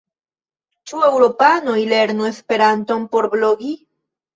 Ĉu eŭropanoj lernu Esperanton por blogi?